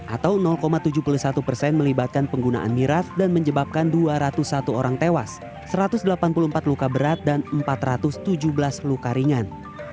atau tujuh puluh satu persen melibatkan penggunaan miras dan menyebabkan dua ratus satu orang tewas satu ratus delapan puluh empat luka berat dan empat ratus tujuh belas luka ringan